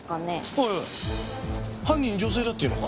おいおい犯人女性だっていうのか？